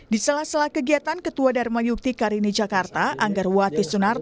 di salah salah kegiatan ketua dharma yudhikarini jakarta